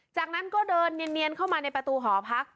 จากนั้นก็เดินเนียนเข้ามาในประตูหอพัก